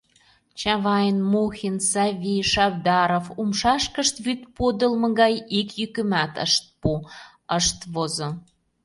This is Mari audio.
Чавайн, Мухин, Сави, Шабдаров умшашкышт вӱд подылмо гай ик йӱкымат ышт пу, ышт возо.